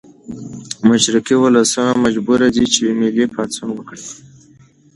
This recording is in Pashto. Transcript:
مشرقي ولسونه مجبوري دي چې ملي پاڅون وکړي.